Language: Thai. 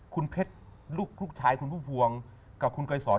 คุณเพชรลูกชายคุณภูมิภวงกับคุณกลายสอน